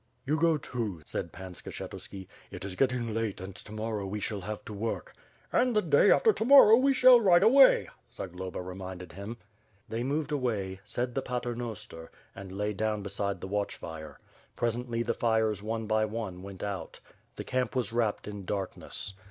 "You go, too," said Pan Skshetuski, "it is getting late and to morrow we shall have to work." "And the day after to morrow we shall ride away," Zagloba reminded him. They moved away, said the Paternoster, and lay down beside the watch fire. Presently the fires one by one went out. The camp was wrapped in darkness.